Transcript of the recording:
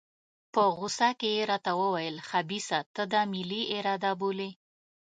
په غوسه کې یې راته وویل خبیثه ته دا ملي اراده بولې.